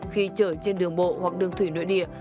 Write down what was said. khi chở trên đường bộ hoặc đường thủy nội địa